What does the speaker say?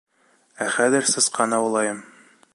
Ә хәҙер сысҡан аулайым.